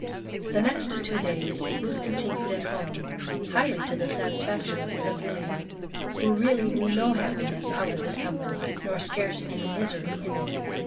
The two next days Booth continued at home, highly to the satisfaction of his Amelia, who really knew no happiness out of his company, nor scarce any misery in it.